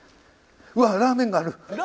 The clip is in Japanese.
うわっラーメンがある！